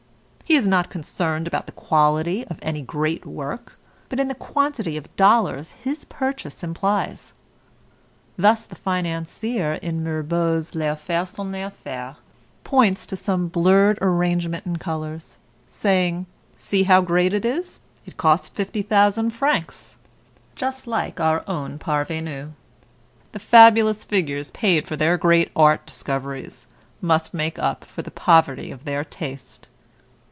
He is not concerned about the quality of any great work, but in the quantity of dollars his purchase implies. Thus the financier in Mirbeau's LES AFFAIRES SONT LES AFFAIRES points to some blurred arrangement in colors, saying "See how great it is; it cost 50,000 francs." Just like our own parvenues. The fabulous figures paid for their great art discoveries must make up for the poverty of their taste.